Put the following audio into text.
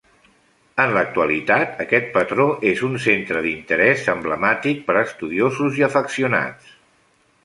En l'actualitat aquest patró és un centre d'interès emblemàtic per a estudiosos i afeccionats.